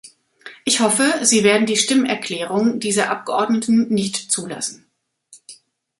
Ich hoffe, Sie werden die Stimmerklärungen dieser Abgeordneten nicht zulassen.